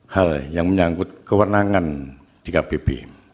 hal yang menyangkut kewenangan di kpp